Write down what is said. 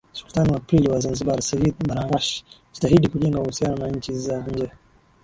Sultani wa pili wa Zanzibar Sayyid Baraghash alijitahidi kujenga uhusiano na nchi za nje